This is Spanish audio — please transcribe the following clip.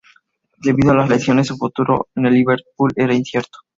Debido a las lesiones, su futuro en el Liverpool era incierto.